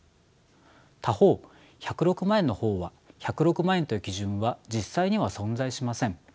他方１０６万円の方は１０６万円という基準は実際には存在しません。